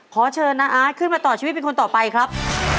ขอเชิญน้าอาร์ตขึ้นมาต่อชีวิตเป็นคนต่อไปครับ